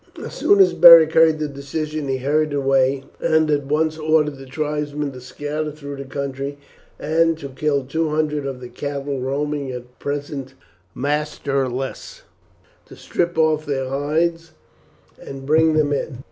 As soon as Beric heard the decision he hurried away and at once ordered the tribesmen to scatter through the country and to kill two hundred of the cattle roaming at present masterless, to strip off their hides, and bring them in.